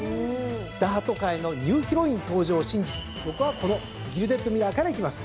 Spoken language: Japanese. ダート界のニューヒロイン登場を信じて僕はこのギルデッドミラーからいきます。